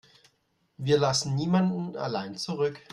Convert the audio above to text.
Wir lassen niemanden allein zurück.